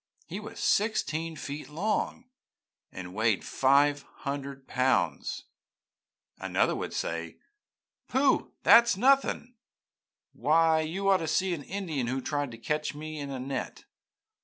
He was sixteen feet long, and weighed five hundred pounds.' Another would say, 'Pooh, that is nothing! Why, you ought to see an Indian who tried to catch me in a net!